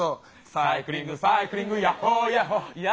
サイクリングサイクリングヤッホーヤッホーいや